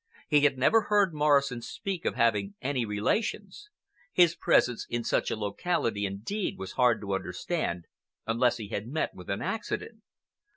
He had never heard Morrison speak of having any relations. His presence in such a locality, indeed, was hard to understand unless he had met with an accident.